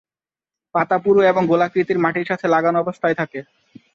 পাতা পুরু এবং গোলাকৃতি মাটির সাথে লাগানো অবস্থায় থাকে।